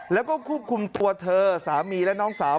แล้วก็ควบคุมตัวเธอสามีและน้องสาว